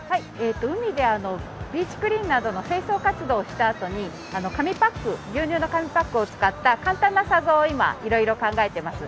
海でビーチクリーンなどの清掃活動をしたあとに牛乳の紙パックを使った簡単な砂像を今いろいろ考えてます。